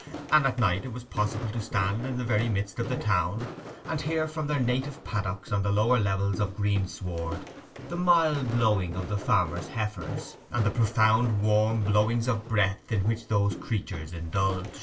And at night it was possible to stand in the very midst of the town and hear from their native paddocks on the lower levels of greensward the mild lowing of the farmer's heifers, and the profound, warm blowings of breath in which those creatures indulge.